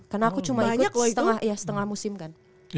karena aku cuma ikut setengah musim kan